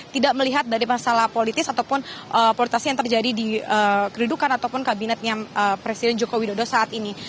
tidak melihat dari masalah politis ataupun politisasi yang terjadi di kedudukan ataupun kabinetnya presiden joko widodo saat ini